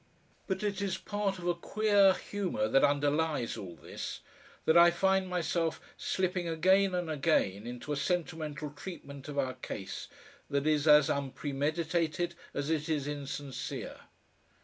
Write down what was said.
But it is part of a queer humour that underlies all this, that I find myself slipping again and again into a sentimental treatment of our case that is as unpremeditated as it is insincere.